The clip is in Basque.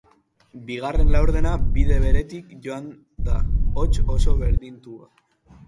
Bigarren laurdena bide beretik joan da, hots, oso berdinduta.